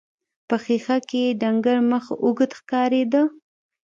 په ښيښه کې يې ډنګر مخ اوږد ښکارېده.